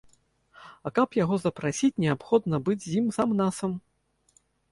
А каб яго запрасіць, неабходна быць з ім сам-насам.